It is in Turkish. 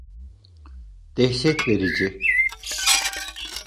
Dehşet verici.